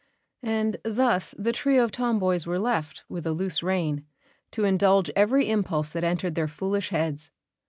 And thus the trio of tomboys were left, with a loose rein, to indulge every impulse that entered their foolish heads.